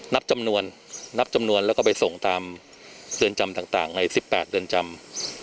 นับจำนวนนับจำนวนแล้วก็ไปส่งตามเรือนจำต่างใน๑๘เรือนจำ